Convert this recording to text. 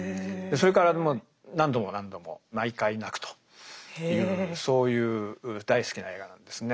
それからもう何度も何度も毎回泣くというそういう大好きな映画なんですね。